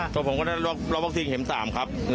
ตัวผมก็ได้ล๊อคพักสินเข็ม๓ครับ